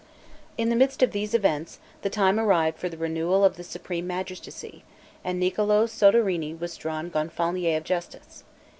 In the midst of these events, the time arrived for the renewal of the supreme magistracy; and Niccolo Soderini was drawn Gonfalonier of Justice.